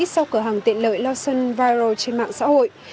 sau cửa hàng tiện lợi lawson viral trên mạng xã hội